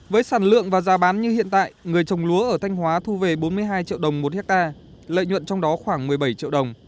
với sản lượng và giá bán như hiện tại người trồng lúa ở thanh hóa thu về bốn mươi hai triệu đồng một hectare lợi nhuận trong đó khoảng một mươi bảy triệu đồng